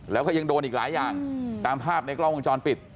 แล้วก็ยังโดนอีกหลายอย่างตามภาพในกล้องวงจรปิด